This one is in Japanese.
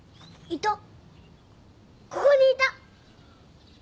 ここにいた。